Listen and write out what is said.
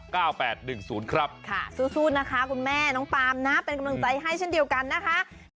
สู้นะคะคุณแม่น้องปามนะเป็นกำลังใจให้เช่นเดียวกันนะคะ